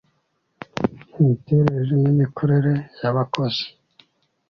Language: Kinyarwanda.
imiterere n imikorere y abakozi